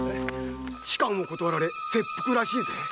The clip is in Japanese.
仕官を断られ切腹らしいぜ。